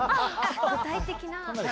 具体的な。